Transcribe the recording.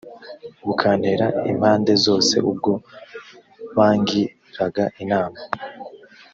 bukantera impande zose ubwo bang raga inama